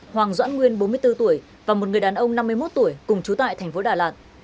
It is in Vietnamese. hoàng doãn nguyên bốn mươi bốn tuổi và một người đàn ông năm mươi một tuổi cùng chú tại tp đà lạt